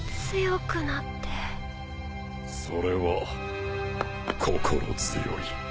それは心強い。